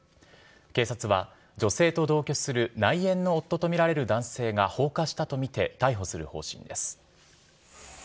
警察は、女性と同居する内縁の夫と見られる男性が放火したと見て、逮捕する方針です。